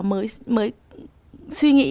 mới suy nghĩ